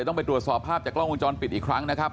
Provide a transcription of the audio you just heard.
ต้องไปตรวจสอบภาพจากกล้องวงจรปิดอีกครั้งนะครับ